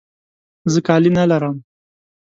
زه کالي نه لرم.